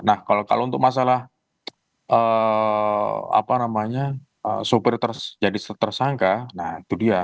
nah kalau untuk masalah sopir jadi tersangka nah itu dia